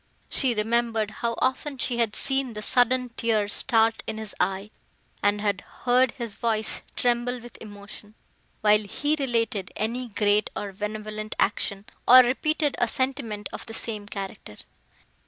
She remembered how often she had seen the sudden tear start in his eye, and had heard his voice tremble with emotion, while he related any great or benevolent action, or repeated a sentiment of the same character.